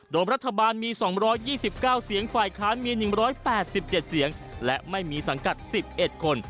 โดยรัฐบาลมี๒๒๙เสียงฝ่ายค้านมี๑๘๗เสียงและไม่มีสังกัด๑๑คน